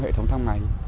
hệ thống thăng máy